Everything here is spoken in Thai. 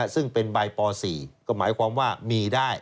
ซึ่งเป็นใบป๔ก็หมายความว่ามีได้